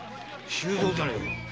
周蔵じゃねえか。